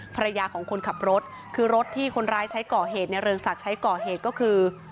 ภรรยาของคนขับรถคือรถที่คนร้ายใช้ก่อเหตุในเรืองศักดิ์ใช้ก่อเหตุก็คือ